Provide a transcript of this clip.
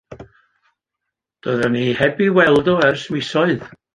Doeddan ni heb i weld o ers misoedd.